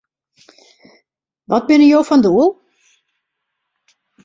Wat binne jo fan doel?